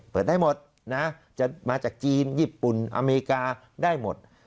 เปิดได้หมดนะจะมาจากจีนญี่ปุ่นอเมริกาได้หมด